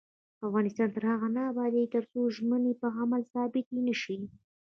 افغانستان تر هغو نه ابادیږي، ترڅو ژمنې په عمل ثابتې نشي.